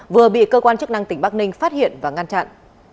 vừa bị cơ quan chức năng tỉnh bắc ninh phát hiện và ngăn chặn